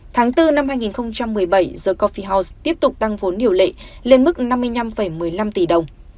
tháng bốn năm hai nghìn một mươi bảy the cophe house tiếp tục tăng vốn điều lệ lên mức năm mươi năm một mươi năm tỷ đồng